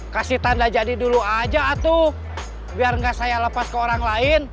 kasih tanda jadi dulu aja aduh biar nggak saya lepas ke orang lain